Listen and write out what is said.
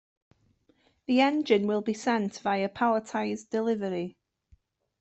The engine will be sent via palletized delivery.